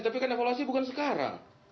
tapi kan evaluasi bukan sekarang